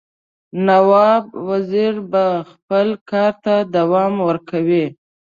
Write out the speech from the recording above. نواب وزیر به خپل کارته دوام ورکوي.